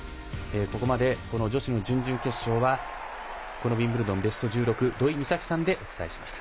ここまで女子の準々決勝はこのウィンブルドン、ベスト１６土居美咲さんでお伝えしました。